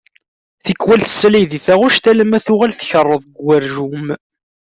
Tikwal tessalay di taɣect alamma tuɣal tkeṛṛeḍ deg ugerjum.